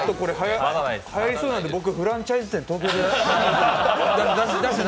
はやりそうなんでフランチャイズ店、僕やりたい。